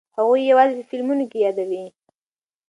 هغوی یوازې فلمونو کې یې یادوي.